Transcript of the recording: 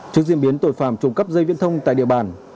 trước diễn biến tội phạm trộm cắp dây viễn thông tại địa bàn